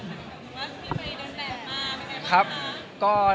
ดีใกล้เติมแบบมาเป็นไงต่อ